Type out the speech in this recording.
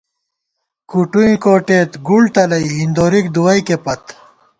کُٹُوئیں کوٹېت گُڑ تلَئ ہِندورِک دُوَئیکے پت